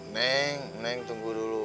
neng neng tunggu dulu